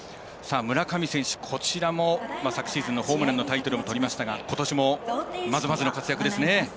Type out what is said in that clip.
村上選手、昨シーズンもホームランのタイトルをとりましたがことしも、まずまずの活躍ですね。